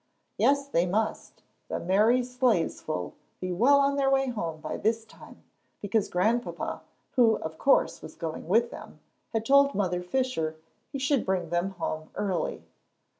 Yes, they must the merry sleighs full be well on their way home by this time, because Grandpapa, who, of course, was going with them, had told Mother Fisher he should bring them home early.